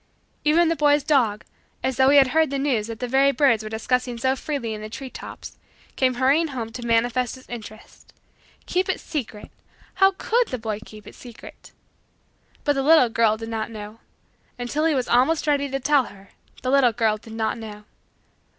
Even the boy's dog, as though he had heard the news that the very birds were discussing so freely in the tree tops, came hurrying home to manifest his interest. Keep it secret! How could the boy keep it secret! But the little girl did not know. Until he was almost ready to tell her, the little girl did not know.